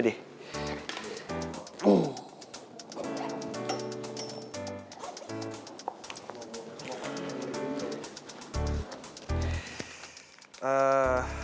mendingan gini aja deh